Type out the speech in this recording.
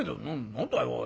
「何だよおい」。